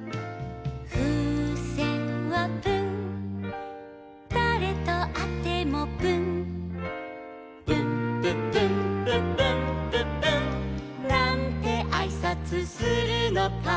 「ふうせんはプンだれとあってもプン」「プンプンプンプンプンプンプン」「なんてあいさつするのか」